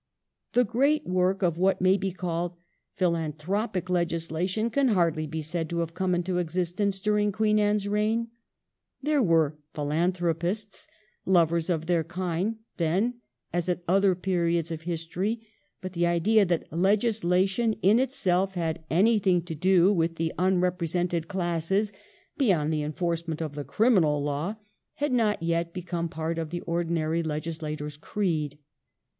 The great work of what may be called philan thropic legislation can hardly be said to have come into existence during Queen Anne's reign. There were philanthropists, lovers of their kind, then as at all other periods of history ; but the idea that legis lation in itself had anything to do for the unrepre sented classes, beyond the enforcement of the criminal law, had not yet become part of the ordinary legis lator's creed.